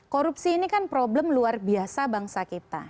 korupsi ini kan problem luar biasa bangsa kita